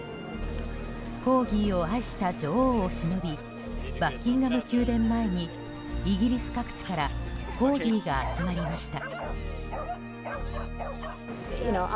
コーギーを愛した女王をしのびバッキンガム宮殿前にイギリス各地からコーギーが集まりました。